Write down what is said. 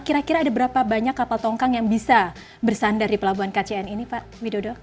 kira kira ada berapa banyak kapal tongkang yang bisa bersandar di pelabuhan kcn ini pak widodo